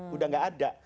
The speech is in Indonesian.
sudah tidak ada